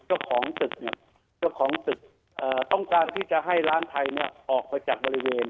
เจ้าของตึกเนี่ยเจ้าของตึกต้องการที่จะให้ร้านไทยออกมาจากบริเวณ